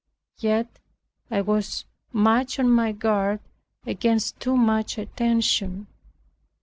Yet I was much on my guard against too much attention.